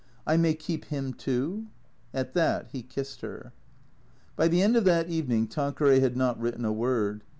" I may keep him, too ?" At that he kissed her. By the end of that evening Tanqueray had not written a word.